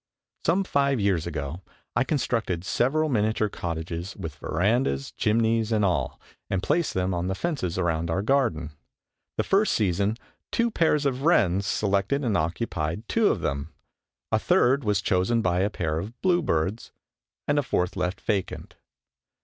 Some five years ago I constructed several miniature cottages, with verandas, chimneys and all, and placed them on the fences around our garden. The first season two pairs of wrens selected and occupied two of them; a third was chosen by a pair of bluebirds, and the fourth left vacant.